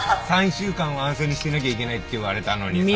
３週間は安静にしてなきゃいけないって言われたのにさ。